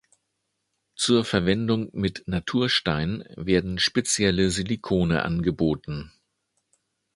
Zur Verwendung mit Naturstein werden spezielle Silikone angeboten.